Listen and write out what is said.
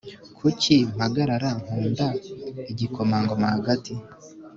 kuki mpagarara nkunda igikomangoma hagati